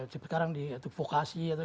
sekarang di atau fokasi atau